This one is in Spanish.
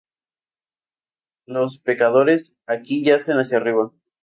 Los pecadores aquí yacen hacia arriba.